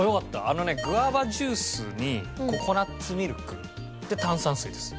あのねグァバジュースにココナッツミルクで炭酸水です。